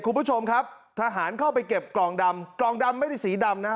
คุณผู้ชมครับทหารเข้าไปเก็บกล่องดำกล่องดำไม่ได้สีดำนะฮะ